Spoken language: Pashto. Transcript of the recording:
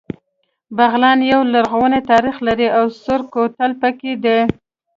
بغلان يو لرغونی تاریخ لري او سور کوتل پکې دی